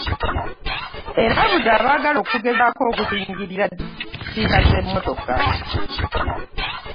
Erabudde abaagala okugezaako okugingirira sitiika z'emmotoka.